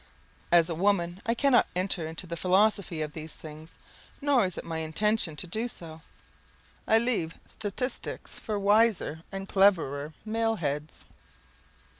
As a woman, I cannot enter into the philosophy of these things, nor is it my intention to do so. I leave statistics for wiser and cleverer male heads.